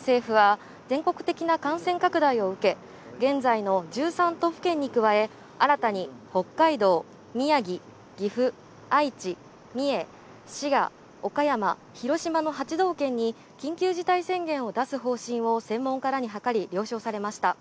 政府は全国的な感染拡大を受け、現在の１３都府県に加え、新たに北海道、宮城、岐阜、愛知、三重、滋賀、岡山、広島の８道県に緊急事態宣言を出す方針を専門家らに諮り、了承されました。